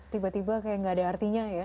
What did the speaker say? tiba tiba kayak gak ada artinya ya